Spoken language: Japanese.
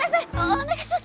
お願いします！